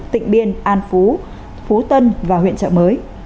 tỉnh biên an phú phú tân và huyện trợ mới